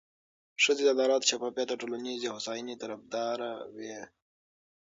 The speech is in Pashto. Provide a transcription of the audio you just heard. ښځې د عدالت، شفافیت او ټولنیزې هوساینې طرفداره وي.